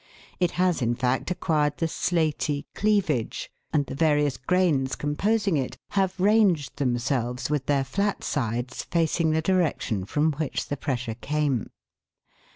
It has, in fact, acquired the " slaty cleavage," and the various grains com posing it have ranged themselves with their flat sides facing the direction from which the pressure came.